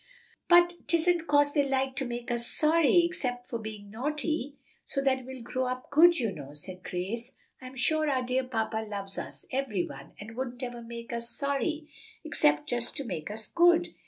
"But 'tisn't 'cause they like to make us sorry, except for being naughty, so that we'll grow up good, you know," said Grace. "I'm sure our dear papa loves us, every one, and wouldn't ever make us sorry except just to make us good.